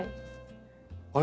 あれ？